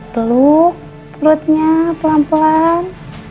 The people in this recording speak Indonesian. peluk perutnya pelan pelan